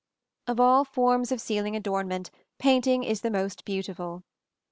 Of all forms of ceiling adornment painting is the most beautiful.